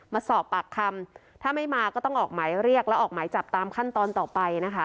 มาสอบปากคำถ้าไม่มาก็ต้องออกหมายเรียกแล้วออกหมายจับตามขั้นตอนต่อไปนะคะ